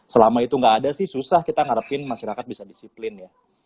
selama itu nggak ada sih susah kita ngadepin masyarakat bisa disiplin ya